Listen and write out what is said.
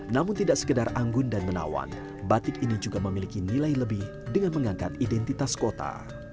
namun tidak sekedar anggun dan menawan batik ini juga memiliki nilai lebih dengan mengangkat identitas kota